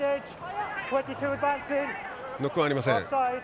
ノックオンはありません。